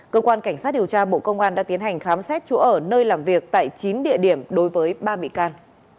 cơ quan cảnh sát điều tra bộ công an đã tiến hành khám xét chỗ ở nơi làm việc tại chín địa điểm đối với ba bị can